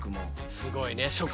すごいね。